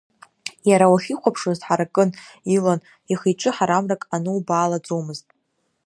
Иара уахьихәаԥшуаз дҳаракын, илан, ихиҿы ҳарамрак анубаалаӡомызт.